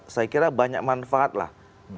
saya kira banyak manfaat lah